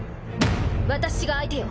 私が相手よ。